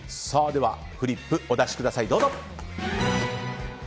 ではフリップお出しください。